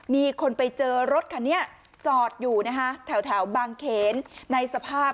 มีคนไปเจอรถคันนี้จอดอยู่นะคะแถวบางเขนในสภาพ